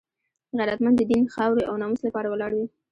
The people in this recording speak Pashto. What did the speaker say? غیرتمند د دین، خاورې او ناموس لپاره ولاړ وي